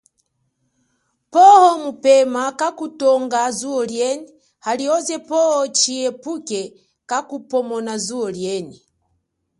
Powo mupema kakuthunga zuo lienyi halioze poho tshihepuke kakuphomona zuo lienyi.